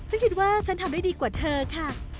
ฉันคิดว่าฉันทำได้ดีกว่าเธอค่ะ